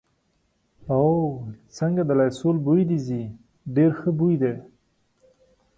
او، څنګه د لایسول بوی دې ځي، ډېر ښه بوی دی.